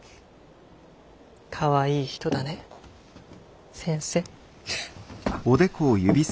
かわいい人だね先生。